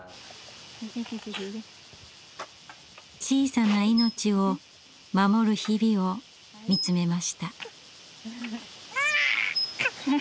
小さな命を守る日々を見つめました。